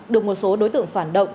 được một số đối tượng phản động